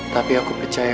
tapi aku percaya